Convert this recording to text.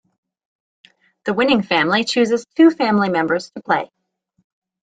The winning family chooses two family members to play.